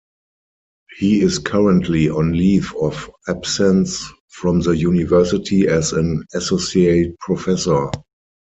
He is currently on leave of absence from the university as an associate professor.